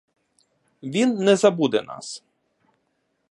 Він не забуде нас.